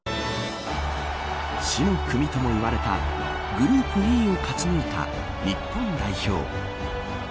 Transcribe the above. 死の組とも言われたグループＥを勝ち抜いた日本代表。